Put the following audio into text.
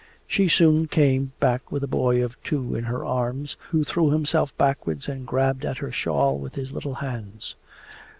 She soon came back with a boy of two in her arms, who threw himself backwards and grabbed at her shawl with his little hands.